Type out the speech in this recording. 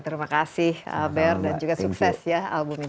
terima kasih albert dan juga sukses ya album ini